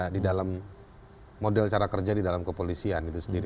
di dalam model cara kerja di dalam kepolisian itu sendiri